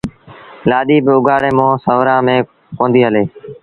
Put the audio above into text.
لآڏي بآ اُگھآڙي مݩهݩ سُورآݩ ميݩ ڪونديٚ هلي